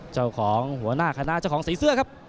หัวหน้าคณะเจ้าของสีเสื้อครับ